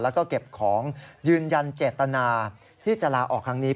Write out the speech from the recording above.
แล้วก็เก็บของยืนยันเจตนาที่จะลาออกครั้งนี้